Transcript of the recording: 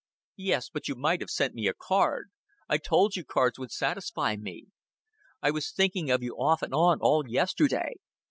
"Yes, but you might have sent me a card. I told you cards would satisfy me. I was thinking of you off and on all yesterday.